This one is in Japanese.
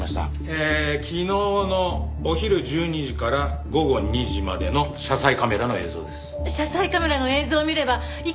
えー昨日のお昼１２時から午後２時までの車載カメラの映像です。